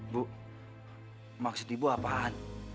bu maksud ibu apaan